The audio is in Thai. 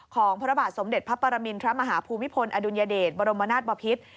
พระบาทสมเด็จพระปรมินทรมาฮภูมิพลอดุลยเดชบรมนาศบพิษ